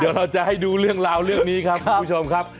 เดี๋ยวเราจะให้ดูเรื่องราวเรื่องนี้ครับคุณผู้ชมครับ